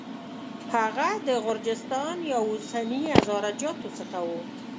هغه د غرجستان یا اوسني هزاره جاتو څخه و.